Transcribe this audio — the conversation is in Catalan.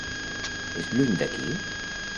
És lluny d'aquí?